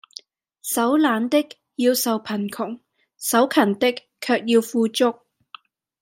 手懶的，要受貧窮；手勤的，卻要富足。